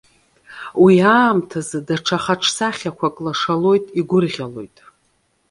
Уи аамҭазы даҽа хаҿсахьақәак лашалоит, игәырӷьалоит